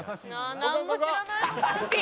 「なんも知らない」